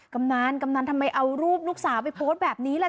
กำนันกำนันทำไมเอารูปลูกสาวไปโพสต์แบบนี้ล่ะ